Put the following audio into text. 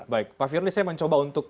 baik pak firly saya mencoba untuk